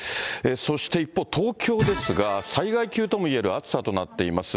そして一方、東京ですが、災害級ともいえる暑さとなっています。